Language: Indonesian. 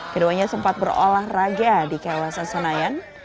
keduanya sempat berolahraga di kawasan senayan